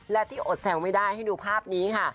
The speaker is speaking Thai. และที่อดแซวไม่ได้ให้ดูภาพนี้ค่ะ